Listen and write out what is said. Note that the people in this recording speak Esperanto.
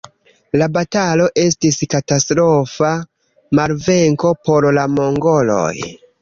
La batalo estis katastrofa malvenko por la mongoloj.